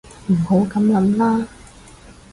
唔好噉諗啦